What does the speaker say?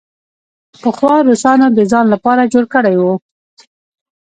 پخوا روسانو د ځان لپاره جوړ کړی وو.